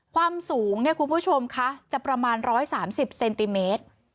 ความสูงเนี่ยคุณผู้ชมคะจะประมาณ๑๓๐เซนติเมตร